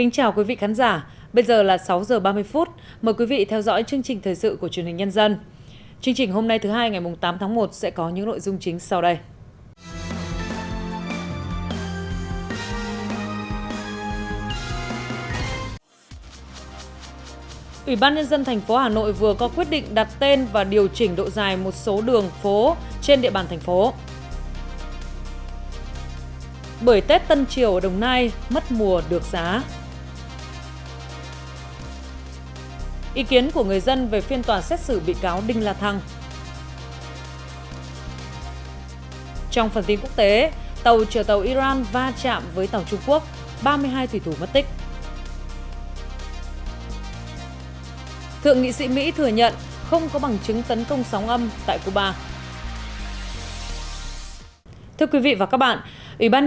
chương trình hôm nay thứ hai ngày tám tháng một sẽ có những nội dung chính sau đây